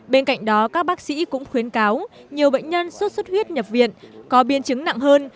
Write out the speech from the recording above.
bên cạnh đó các bác sĩ cũng khuyến cáo nhiều bệnh nhân sốt xuất huyết nhập viện có biên chứng nặng hơn